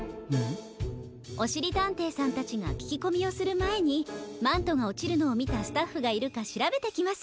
おしりたんていさんたちがききこみをするまえにマントがおちるのをみたスタッフがいるかしらべてきます。